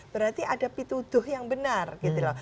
berarti ada pituduh yang benar gitu loh